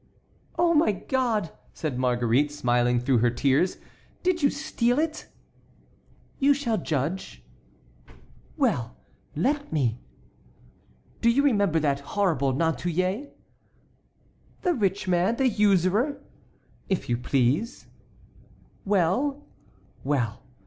"Oh, my God!" said Marguerite, smiling through her tears, "did you steal it?" "You shall judge." "Well, let me." "Do you remember that horrible Nantouillet?" "The rich man, the usurer?" "If you please." "Well?" "Well!